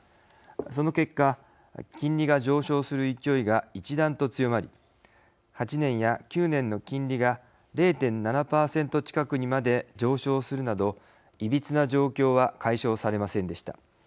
その結果、金利が上昇する勢いが一段と強まり８年や９年の金利が０．７％近くにまで上昇するなどいびつな状況は解消されませんでした。